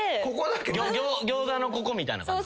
ギョーザのここみたいな感じ？